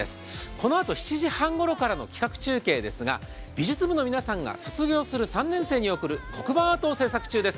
このあと７時半ごろからの企画中継ですが、美術部の皆さんが卒業する３年生に贈る黒板アートを制作中です。